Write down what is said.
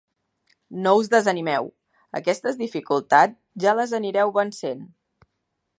No us desanimeu: aquestes dificultats, ja les anireu vencent.